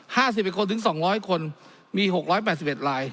ห้าสิบเอ็ดคนถึงสองร้อยคนมีหกร้อยแปดสิบเอ็ดลาย